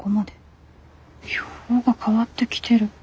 予報が変わってきてる？